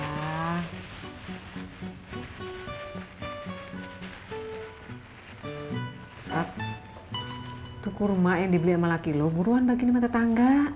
kakak tuku rumah yang dibeli sama laki lo buruan bagi di mata tangga